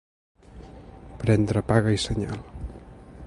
Prendre paga i senyal.